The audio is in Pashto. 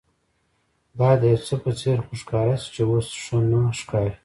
باید د یوڅه په څېر خو ښکاره شي چې اوس ښه نه ښکاري.